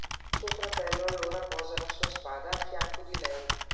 Suo fratello allora posa la sua spada al fianco di lei.